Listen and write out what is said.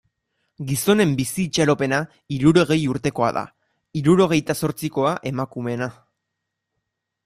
Gizonen bizi itxaropena hirurogei urtekoa da, hirurogeita zortzikoa emakumeena.